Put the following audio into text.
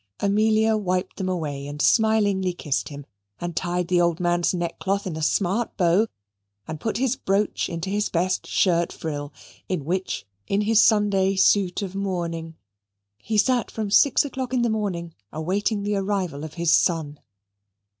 Amelia wiped them away, and smilingly kissed him, and tied the old man's neckcloth in a smart bow, and put his brooch into his best shirt frill, in which, in his Sunday suit of mourning, he sat from six o'clock in the morning awaiting the arrival of his son.